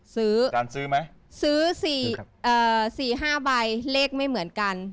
ซื้อ๔๕ใบเลขไม่เหมือนกัน